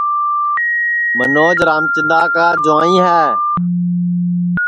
منوج رامچندا کا جُوائیں ہے